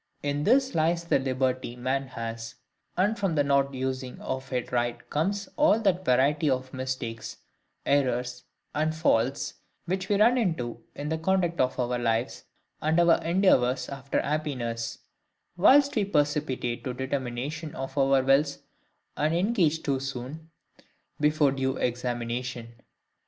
In this lies the liberty man has; and from the not using of it right comes all that variety of mistakes, errors, and faults which we run into in the conduct of our lives, and our endeavours after happiness; whilst we precipitate the determination of our wills, and engage too soon, before due examination.